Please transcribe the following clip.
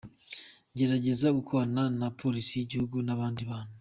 Nzagerageza gukorana na Polisi y’Igihugu n’abandi bantu.